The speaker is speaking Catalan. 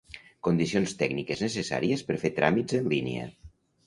Condicions tècniques necessàries per fer tràmits en línia.